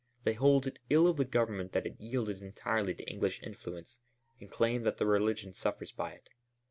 They hold it ill of the Government that it yielded entirely to English influence and claim that the religion suffers by it.